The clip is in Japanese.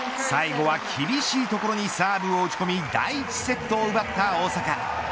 最後は厳しい所にサーブを打ち込み第１セットを奪った大坂。